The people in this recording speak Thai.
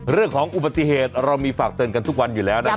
เรื่องของอุบัติเหตุเรามีฝากเตือนกันทุกวันอยู่แล้วนะครับ